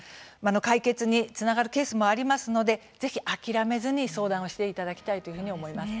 解決につながるケースもありますので、ぜひ諦めずに相談をしていただきたいというふうに思います。